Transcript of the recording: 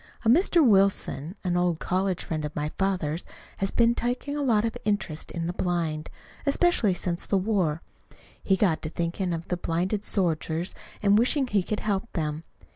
A Mr. Wilson, an old college friend of my father's, has been taking a lot of interest in the blind especially since the war. He got to thinking of the blinded soldiers and wishing he could help them.